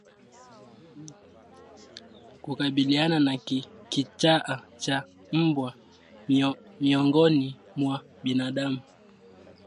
Kukabiliana na Kichaa cha mbwa miongoni mwa binadamu